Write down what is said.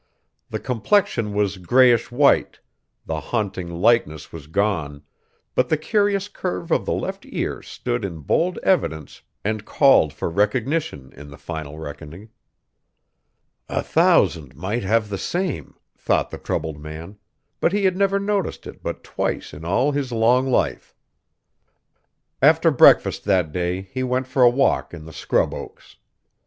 The complexion was grayish white the haunting likeness was gone but the curious curve of the left ear stood in bold evidence and called for recognition in the final reckoning. "A thousand might have the same!" thought the troubled man; but he had never noticed it but twice in all his long life! After breakfast that day he went for a walk in the scrub oaks.